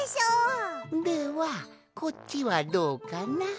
ではこっちはどうかな？